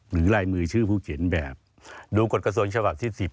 ลายมือชื่อผู้เขียนแบบดูกฎกระทรวงฉบับที่๑๐